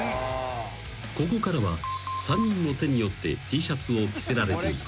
［ここからは３人の手によってＴシャツを着せられていく］